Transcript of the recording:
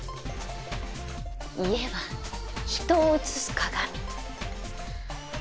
家は人を映す鏡。